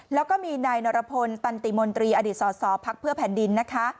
แล้วก็มีนายนรพลตันติมนตรีอดีตสอสอพักเพื่อแผ่นดินนะคะ